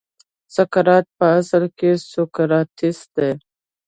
سقراط په اصل کې سوکراتیس دی.